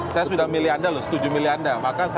saya sudah milih anda loh setuju milih anda